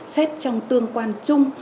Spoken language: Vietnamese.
xét trong tương quan chung